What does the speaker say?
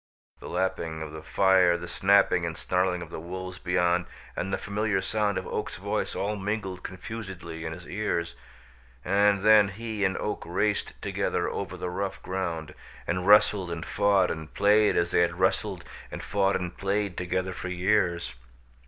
The lapping of the fire, the snapping and snarling of the wolves beyond and the familiar sound of Oak's voice all mingled confusedly in his ears, and then he and Oak raced together over the rough ground, and wrestled and fought and played as they had wrestled and fought and played together for years.